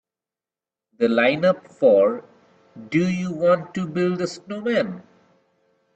The lineup for Do You Want to Build a Snowman?